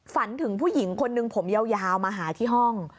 ฝันถึงผู้หญิงคนหนึ่งผมยาวมาหาที่ห้อง